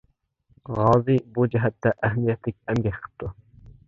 غازى بۇ جەھەتتە ئەھمىيەتلىك ئەمگەك قىپتۇ.